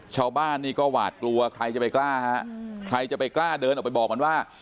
ชาวบ้านนี่ก็หวาดกลัวใครจะไปกล้าฮะใครจะไปกล้าเดินออกไปบอกมันว่า